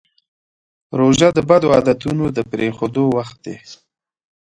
روژه د بدو عادتونو د پرېښودو وخت دی.